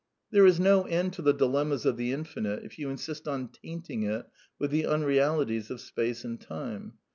There is no end to the dilemmas of the Infinite if you insist on tainting it with the unrealities of space and time.